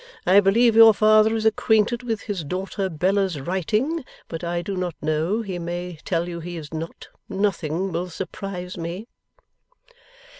I believe your father is acquainted with his daughter Bella's writing. But I do not know. He may tell you he is not. Nothing will surprise me.